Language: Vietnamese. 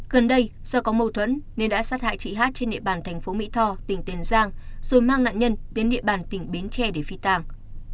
gần đây do có mâu thuẫn nên đã sát hại chị hát trên địa bàn thành phố mỹ tho tỉnh tiền giang rồi mang nạn nhân đến địa bàn tỉnh bến tre để phi tàng